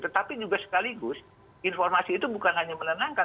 tetapi juga sekaligus informasi itu bukan hanya menenangkan